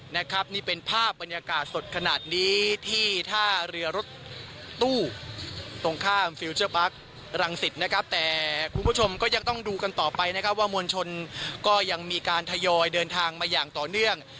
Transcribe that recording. นะครับนี่เป็นภาพบรรยากาศสดขนาดนี้ที่ท่าเรือรถตู้ตรงข้ามฟิลเจอร์ปาร์ครังสิตนะครับแต่คุณผู้ชมก็ยังต้องดูกันต่อไปนะครับว่ามวลชนก็ยังมีการทยอยเดินทางมาอย่างต่อเนื่อง